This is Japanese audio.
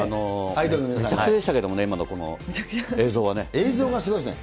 めちゃくちゃでしたけれどもね、今の映像はね。映像がすごいですね。